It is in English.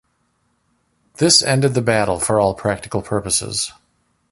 This ended the battle for all practical purposes.